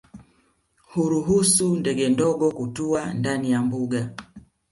Huruhusu ndege ndogo kutua ndani ya mbuga